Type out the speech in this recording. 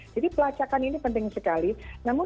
jadi pelacakan ini penting sekali namun